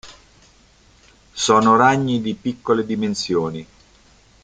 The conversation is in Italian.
Sono ragni di piccole dimensioni.